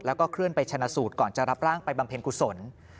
แล้วก็เคลื่อนไปชนะสูตรก่อนจะรับร่างไปบำเพ็ญกุศล